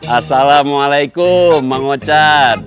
assalamualaikum mang ocat